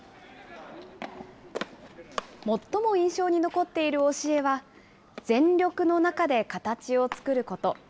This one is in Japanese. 最も印象に残っている教えは、全力の中で形を作ること。